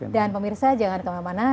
dan pemirsa jangan kemana mana